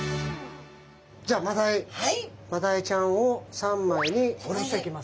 じゃあマダイちゃんを三枚におろしていきます。